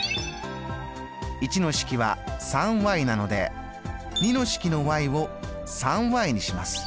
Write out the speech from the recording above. １の式は３なので２の式のを３にします。